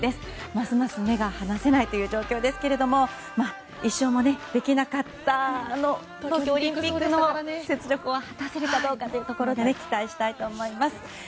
ますます目が離せないという状況ですけれども１勝もできなかった東京オリンピックの雪辱を果たせるかどうか期待したいと思います。